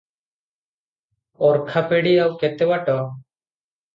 ଅର୍ଖାପେଡି ଆଉ କେତେ ବାଟ?